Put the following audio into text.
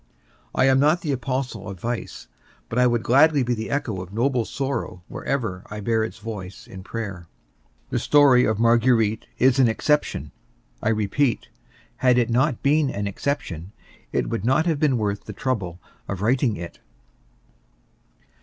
I am not the apostle of vice, but I would gladly be the echo of noble sorrow wherever I bear its voice in prayer. The story of Marguerite is an exception, I repeat; had it not been an exception, it would not have been worth the trouble of writing it.